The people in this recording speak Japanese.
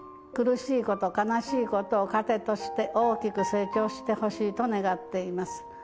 苦しいこと悲しいことを糧として大きく成長してほしいと願っています。